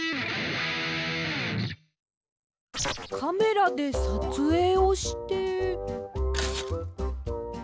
カメラでさつえいをして。